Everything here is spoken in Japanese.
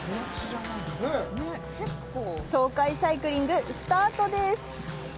爽快サイクリング、スタートです！